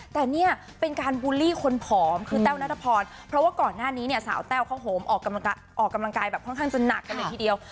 แต่เนี่ยเป็นการบูลลี่คนผอมคือแต้วนัทพรเพราะว่าก่อนหน้านี้เนี่ยสาวแต้วเขาโหมออกกำลังกายแบบค่อนข้างจะหนักกันเลยทีเดียว